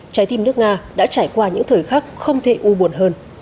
trái tim nước nga đã trải qua những thời khắc không thể u buồn hơn